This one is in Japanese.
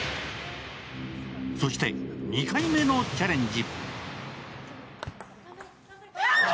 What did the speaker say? そして２回目のチャレンジ。